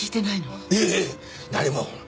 いえいえ何も。